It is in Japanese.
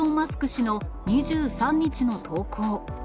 氏の２３日の投稿。